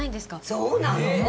そうなの！？